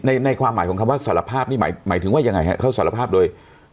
ในในความหมายของคำว่าสารภาพนี่หมายหมายถึงว่ายังไงฮะเขาสารภาพโดย